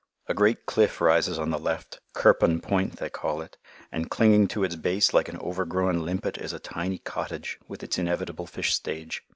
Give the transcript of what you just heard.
A great cliff rises on the left, Quirpon Point they call it, and clinging to its base like an overgrown limpet is a tiny cottage, with its inevitable fish stage.